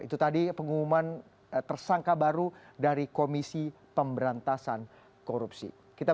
itu tadi pengumuman tersangka baru dari komisi pemberantasan korupsi